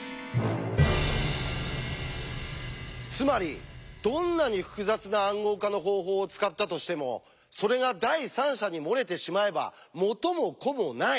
つまりどんなに複雑な「暗号化の方法」を使ったとしてもそれが第三者に漏れてしまえば元も子もない！